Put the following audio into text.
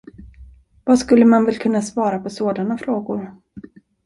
Vad skulle man väl kunna svara på sådana frågor?